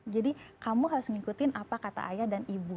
jadi kamu harus mengikuti apa kata ayah dan ibu